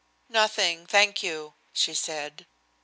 "Nothing, thank you," she said.